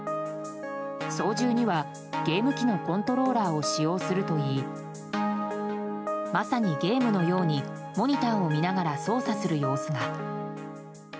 操縦にはゲーム機のコントローラーを使用するといいまさにゲームのようにモニターを見ながら操作する様子が。